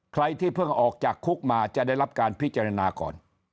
ใครที่เพิ่งออกจากคุกมาจะได้รับการพิจารณาก่อน